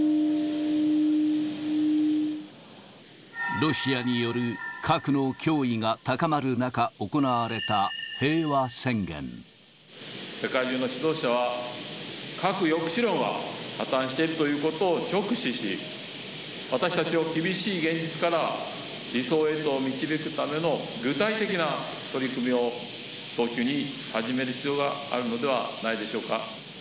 ロシアによる核の脅威が高ま世界中の指導者は、核抑止論は破綻しているということを直視し、私たちを厳しい現実から理想へと導くための具体的な取り組みを早急に始める必要があるのではないでしょうか。